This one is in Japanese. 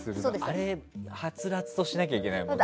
あれは、はつらつとしなきゃいけないもんね。